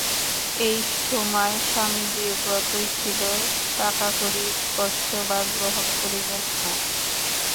এই সময় স্বামীজীর ব্রতই ছিল, টাকাকড়ি স্পর্শ বা গ্রহণ করিবেন না।